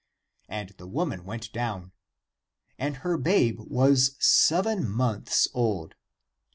And the woman went down. And her babe was seven months old.